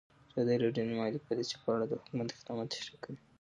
ازادي راډیو د مالي پالیسي په اړه د حکومت اقدامات تشریح کړي.